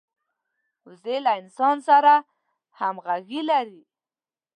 وزې له انسان سره همږغي لري